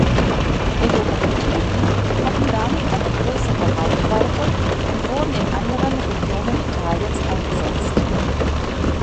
Die Lokomotiven hatten damit eine größere Reichweite und wurden in anderen Regionen Italiens eingesetzt.